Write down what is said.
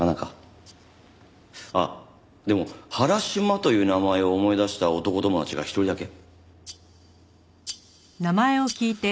あっでも「原島」という名前を思い出した男友達が一人だけ。